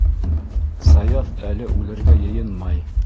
Саяф әле үлергә йыйынмай.